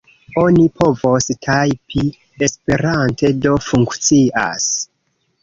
Oni povos tajpi esperante, do funkcias.